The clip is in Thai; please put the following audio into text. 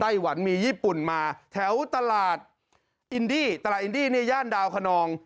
หวันมีญี่ปุ่นมาแถวตลาดอินดี้ตลาดอินดี้ในย่านดาวคนนอง